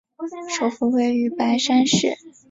首府位于白山市。